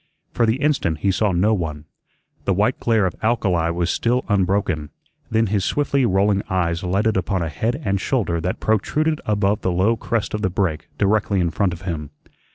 For the instant he saw no one. The white glare of alkali was still unbroken. Then his swiftly rolling eyes lighted upon a head and shoulder that protruded above the low crest of the break directly in front of him.